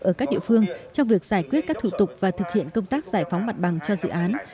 ở các địa phương trong việc giải quyết các thủ tục và thực hiện công tác giải phóng mặt bằng cho dự án